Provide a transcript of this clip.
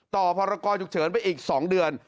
ต่อพลกรงการจุกเฉินไปอีก๒เดือน